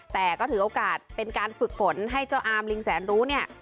แต่ก็ถือโอกาสเป็นการฝึกฝนให้เจ้าอามลิงแสนรู้เนี่ย